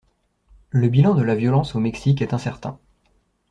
Le bilan de la violence au Mexique est incertain.